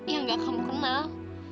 yang gak kamu kenal